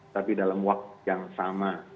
tapi dalam waktu yang sama